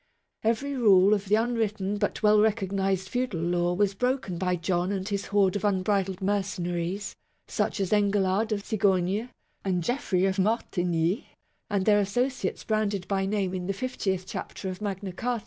Every rule of the unwritten but well recognized feudal law was broken by John and his horde of unbridled mercenaries, such as Engelard of Cigogne, and Geoffrey of Martigny and their as sociates branded by name in the fiftieth chapter of Magna Carta.